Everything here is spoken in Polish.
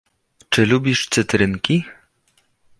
"Czy lubisz cytrynki?"